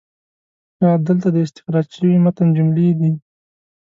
ښه، دلته د استخراج شوي متن جملې دي: